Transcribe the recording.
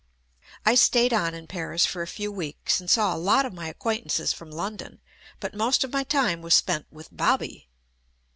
I stayed on in Paris for a few weeks and saw a lot of my acquaintances from London, but most of my time was spent with "Bobby."